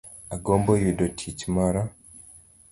Agombo yudo tich moro